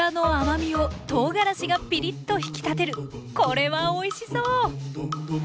これはおいしそう！